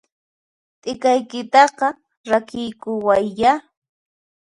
T'ikaykitaqa rakiykuwayyá!